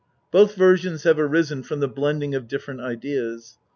Both versions have arisen from the blending of different ideas.